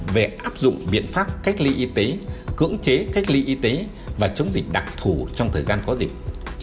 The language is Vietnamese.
về áp dụng biện pháp cách ly y tế cưỡng chế cách ly y tế và chống dịch đặc thù trong thời gian có dịch